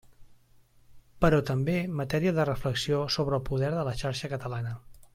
Però també matèria de reflexió sobre el poder de la xarxa catalana.